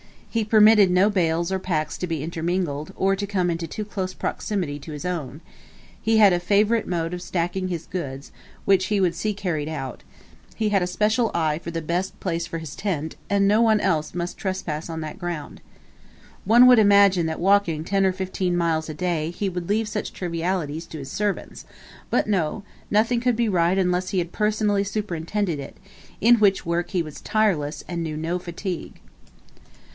He permitted no bales or packs to be intermingled, or to come into too close proximity to his own; he had a favourite mode of stacking his goods, which he would see carried out; he had a special eye for the best place for his tent, and no one else must trespass on that ground. One would imagine that walking ten or fifteen miles a day, he would leave such trivialities to his servants, but no, nothing could be right unless he had personally superintended it; in which work he was tireless and knew no fatigue.